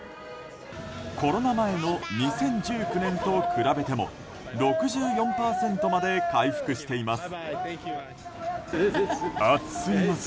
コロナ前の２０１９年と比べても６４％まで回復しています。